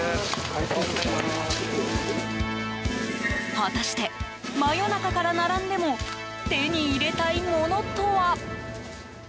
果たして、真夜中から並んでも手に入れたいものとは？